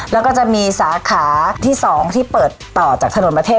แล้วก็จะมีสาขาที่๒ที่เปิดต่อจากถนนประเทศ